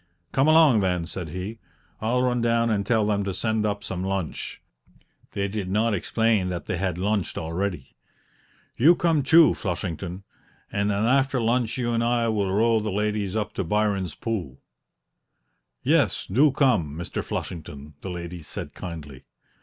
"Come along, then!" said he; "I'll run down and tell them to send up some lunch" (they did not explain that they had lunched already). "You come, too, Flushington, and then after lunch you and I will row the ladies up to Byron's Pool?" "Yes, do come, Mr. Flushington," the ladies said kindly.